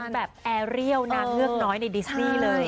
แดงแบบแอเรียลน่าเงือกน้อยในดิสนี่เลย